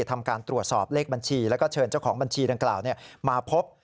ทำการตรวจสอบเลขบัญชีแล้วก็เชิญเจ้าของบัญชีดังกล่าวมาพบ